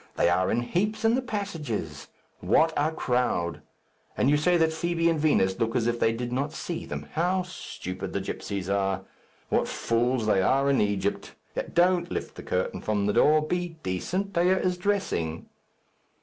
They are in heaps in the passages. What a crowd! And you say that Fibi and Vinos look as if they did not see them. How stupid the gipsies are! What fools they are in Egypt! Don't lift the curtain from the door. Be decent. Dea is dressing."